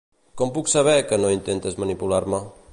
Com puc saber que no intentes manipular-me?